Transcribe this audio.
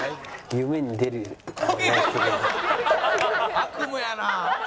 悪夢やな！